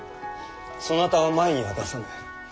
そなたは前には出さぬ。